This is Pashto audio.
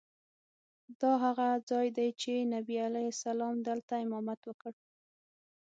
دا هغه ځای دی چې نبي علیه السلام دلته امامت وکړ.